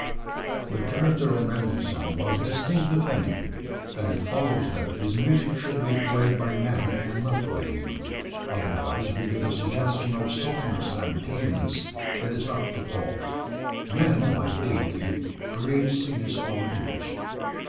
The character of Mendelssohn was distinctly feminine, and it follows that his music should be played by men and not by women, otherwise we get a suggestion of softness and tameness that is apt to pall. Man, like Deity, creates in his own image.